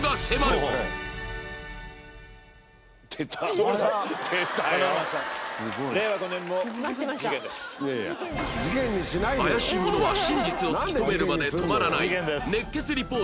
そんな怪しいものは真実を突き止めるまで止まらない